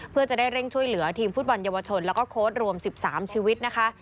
เพื่อจะได้เร่งช่วยเหลือทีมฟุตบอลเยาวชนแล้วก็โค้ดรวม๑๓ชีวิตนะคะ